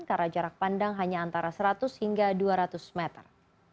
karena jarak pandang hanya antara seratus hingga dua ratus meter